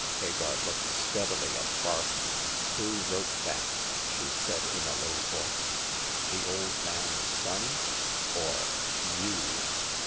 Hagar looked steadily at Vark. " Who wrote that," she said in a low voice—" the old man's son or— yon